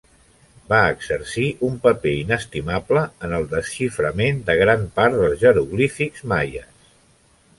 Va exercir un paper inestimable en el desxiframent de gran part dels jeroglífics maies.